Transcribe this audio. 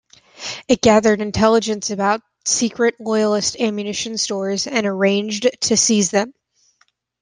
It gathered intelligence about secret Loyalist ammunition stores and arranged to seize them.